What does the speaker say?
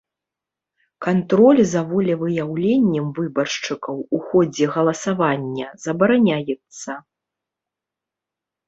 Кантроль за волевыяўленнем выбаршчыкаў у ходзе галасавання забараняецца.